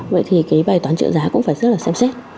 vậy thì cái bài toán trợ giá cũng phải rất là xem xét